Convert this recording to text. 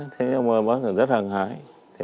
thế nhưng mà bác thường rất hàng hải